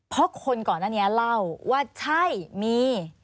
เพราะคนก่อนหน้านี้เล่าว่าใช่มี